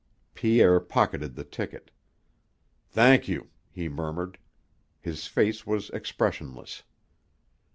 Pierre pocketed the ticket. "Thank you," he murmured. His face was expressionless.